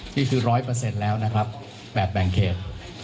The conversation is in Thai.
นี่คือ๑๐๐แล้วนะครับแบบแบ่งเขต